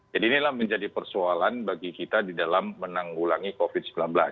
jadi inilah menjadi persoalan bagi kita di dalam menanggulangi covid sembilan belas